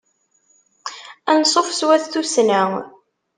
Ansuf s wat tussna.